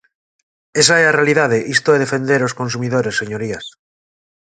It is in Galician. Esa é a realidade, isto é defender os consumidores, señorías.